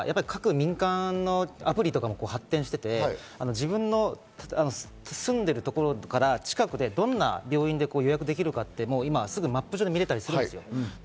今、各民間のアプリとかも発展していて、自分の住んでるところから近くで、どんな病院で予約できるか、今、マップ上で見られたりするんです。